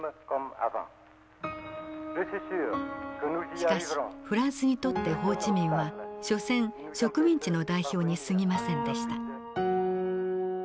しかしフランスにとってホー・チ・ミンはしょせん植民地の代表にすぎませんでした。